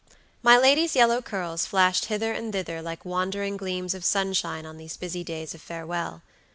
My lady's yellow curls flashed hither and thither like wandering gleams of sunshine on these busy days of farewell.